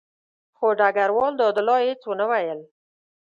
خو ډګروال دادالله هېڅ ونه ویل.